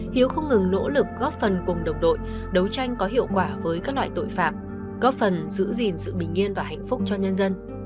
hiếu không ngừng nỗ lực góp phần cùng đồng đội đấu tranh có hiệu quả với các loại tội phạm góp phần giữ gìn sự bình yên và hạnh phúc cho nhân dân